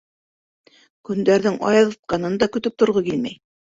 Көндәрҙең аяҙытҡанын да көтөп торғо килмәй.